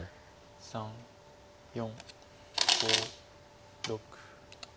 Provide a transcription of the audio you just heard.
３４５６。